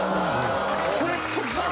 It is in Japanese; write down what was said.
それ徳さん。